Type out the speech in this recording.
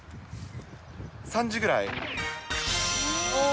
３時ぐらい。